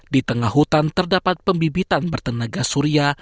di tengah hutan terdapat pembibitan bertenaga surya